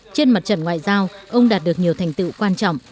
trên mặt trận ngoại giao ông đạt được nhiều thành tựu quan trọng